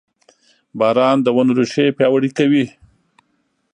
• باران د ونو ریښې پیاوړې کوي.